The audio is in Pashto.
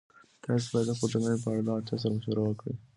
تاسي باید د خپل تمرین په اړه له چا سره مشوره وکړئ.